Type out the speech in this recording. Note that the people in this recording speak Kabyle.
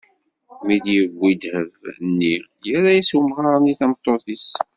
Mi d-yewwi ddheb-nni, yerra-as umɣar-nni tameṭṭut-is.